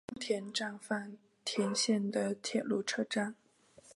宫田站饭田线的铁路车站。